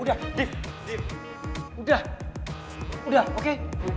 udah udah udah oke